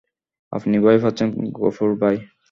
আপনি ভয় পাচ্ছেন গফুর ভাই?